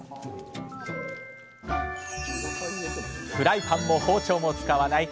フライパンも包丁も使わない！